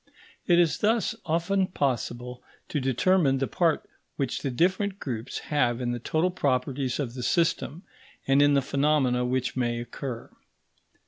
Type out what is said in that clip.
It is thus often possible to determine the part which the different groups have in the total properties of the system and in the phenomena which may occur.